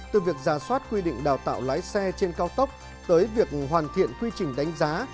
từ việc giả soát quy định đào tạo lái xe trên cao tốc tới việc hoàn thiện quy trình đánh giá